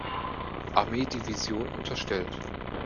Armee-Division unterstellt.